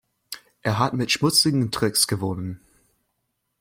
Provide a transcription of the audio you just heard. Er hat mit schmutzigen Tricks gewonnen.